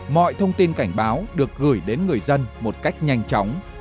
mọi thông tin cảnh báo được gửi đến người dân một cách nhanh chóng